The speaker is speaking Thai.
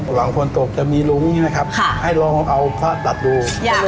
หลังฝนตกจะมีลุ้งใช่ไหมครับให้ลองเอาพระตัดดู